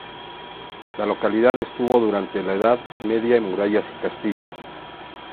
La localidad tuvo durante la edad media murallas y castillo.